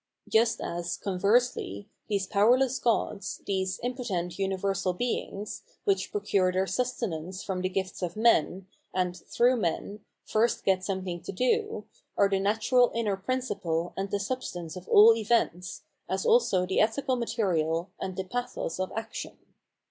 Just as, conversely, these powerless gods, these impotent universal beings, which procure their sustenance from the gifts of men and, through 742 PTimomenohgy of Mind men, first get something to do, are the natural inner principle and the substance of all events, as also the ethical material, and the " pathos ' of action.